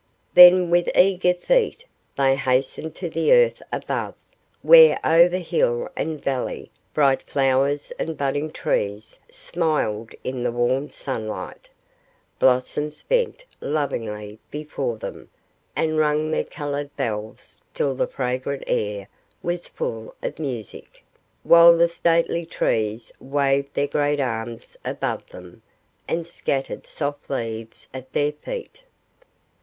Then, with eager feet, they hastened to the earth above, where, over hill and valley, bright flowers and budding trees smiled in the warm sunlight, blossoms bent lovingly before them, and rang their colored bells, till the fragrant air was full of music; while the stately trees waved their great arms above them, and scattered soft leaves at their feet.